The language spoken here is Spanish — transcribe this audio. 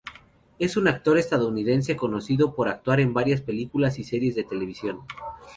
Es un actor estadounidense, conocido por actuar en varias películas y series de televisión.